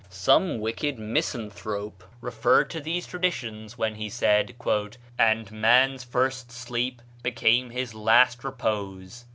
Some wicked misanthrope referred to these traditions when he said, "And man's first sleep became his last repose."